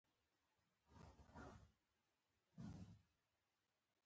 ابدال کلزايي څوک دی.